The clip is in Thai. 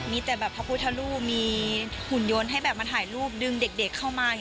มีแต่แบบพระพุทธรูปมีหุ่นยนต์ให้แบบมาถ่ายรูปดึงเด็กเข้ามา